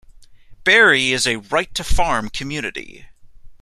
Barre is a "right-to-farm" community.